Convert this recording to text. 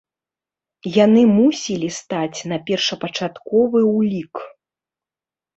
Яны мусілі стаць на першапачатковы ўлік.